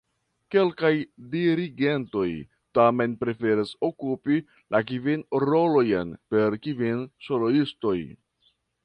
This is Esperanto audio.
Kelkaj dirigentoj tamen preferas okupi la kvin rolojn per kvin soloistoj.